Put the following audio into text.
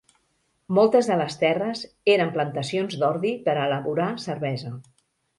Moltes de les terres eren plantacions d'ordi per a elaborar cervesa.